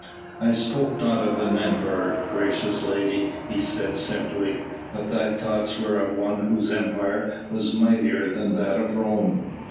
"I spoke not of an emperor, gracious lady," he said simply. "But thy thoughts were of one whose empire was mightier than that of Rome."